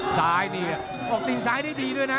ซ้ายนี่ออกตีนซ้ายได้ดีด้วยนะ